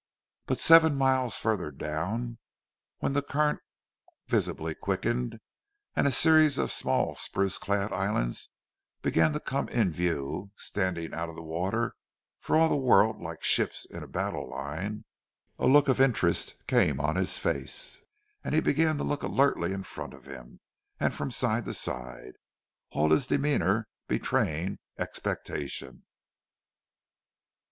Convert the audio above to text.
But seven miles further down, when the current visibly quickened, and a series of small spruce clad islands began to come in view, standing out of the water for all the world like ships in battle line, a look of interest came on his face, and he began to look alertly in front of him and from side to side, all his demeanour betraying expectation.